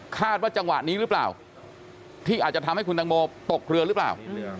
ว่าจังหวะนี้หรือเปล่าที่อาจจะทำให้คุณตังโมตกเรือหรือเปล่า